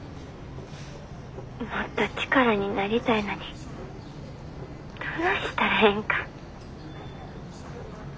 もっと力になりたいのにどないしたらええんか。